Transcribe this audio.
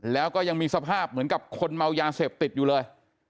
แล้วก็ยังมีสภาพเหมือนกับคนเมายาเสพติดอยู่เลย